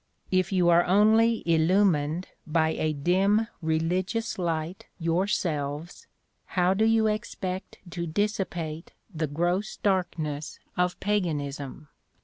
If you are only illumined by 'a dim religious light' yourselves, how do you expect to dissipate the gross darkness of paganism?